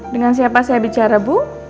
dengan siapa saya bicara bu